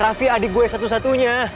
raffi adik gue satu satunya